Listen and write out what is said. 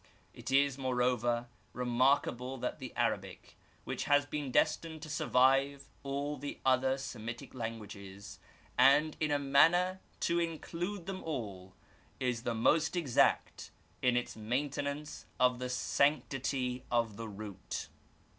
It is, moreover, remarkable that the Arabic, which has been destined to survive all the other Semitic languages, and in a manner to include them all, is the most exact in its maintenance of the sanctity of the root.